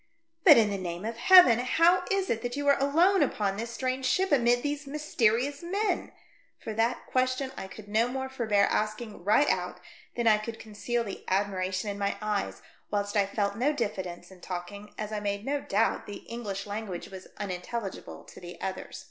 '•' But, in the name of Heaven ! how Is it that you are alone upon this strange ship, amid these mysterious men ?" for that question I could no more forbear asking right out than I could conceal the admiration in my eyes, whilst I felt no diffidence In talking, as I made no doubt the English language was unintelligible to the others.